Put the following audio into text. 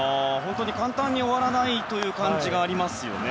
簡単に終わらないという感じがありますよね。